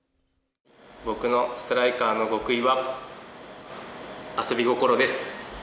僕のストライカーの極意は遊び心です。